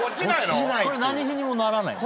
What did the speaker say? これ何費にもならないの？